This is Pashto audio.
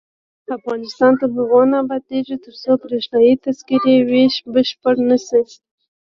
افغانستان تر هغو نه ابادیږي، ترڅو بریښنايي تذکرې ویش بشپړ نشي.